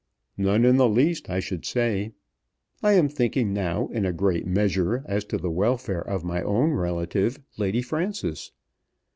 "None in the least, I should say. I am thinking now in a great measure as to the welfare of my own relative, Lady Frances.